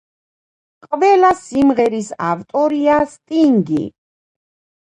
ყველა სიმღერის ავტორია სტინგი.